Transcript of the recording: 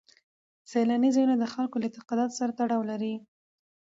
سیلاني ځایونه د خلکو له اعتقاداتو سره تړاو لري.